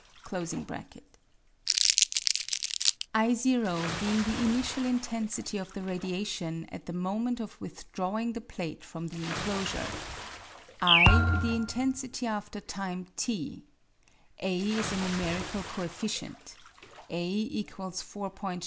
lo being the initial intensity of the radiation at the moment of withdrawing the plate from the enclosure ; I, the inten sity after time, /; a is a numerical coefficient, a = 4*20 ; 0!